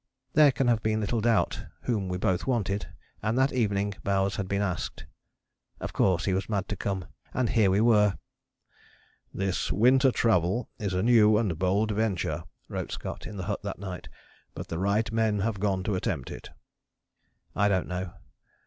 There can have been little doubt whom we both wanted, and that evening Bowers had been asked. Of course he was mad to come. And here we were. "This winter travel is a new and bold venture," wrote Scott in the hut that night, "but the right men have gone to attempt it." I don't know.